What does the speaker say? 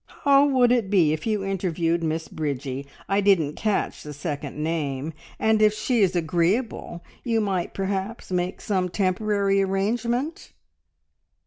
How would it be if you interviewed Miss Bridgie I didn't catch the second name and if she is agreeable, you might perhaps make some temporary arrangement!"